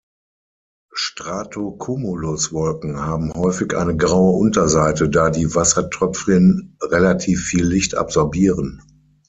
Stratocumulus-Wolken haben häufig eine graue Unterseite, da die Wassertröpfchen relativ viel Licht absorbieren.